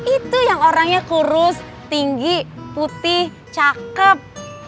itu yang orangnya kurus tinggi putih cakep